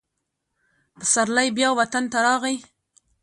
پسرلی بیا وطن ته راغی.